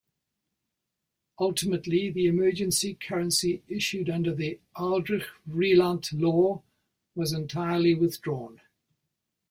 Ultimately the emergency currency issued under the "Aldrich-Vreeland Law" was entirely withdrawn.